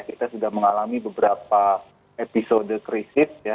kita sudah mengalami beberapa episode krisis ya